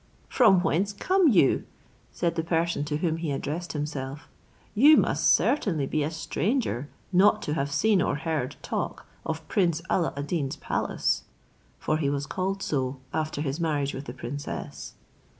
"From whence come you?" said the person to whom he addressed himself; "you must certainly be a stranger not to have seen or heard talk of Prince Alla ad Deen's palace" (for he was called so after his marriage with the princess).